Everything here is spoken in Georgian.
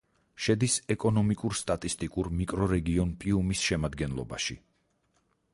შედის ეკონომიკურ-სტატისტიკურ მიკრორეგიონ პიუმის შემადგენლობაში.